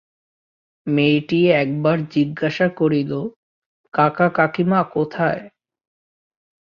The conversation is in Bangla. মেয়েটি একবার জিজ্ঞাসা করিল, কাকা, কাকীমা কোথায়?